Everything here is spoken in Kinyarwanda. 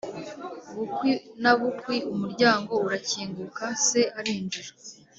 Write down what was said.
bukwi na bukwi, umuryango urakinguka, se arinjira.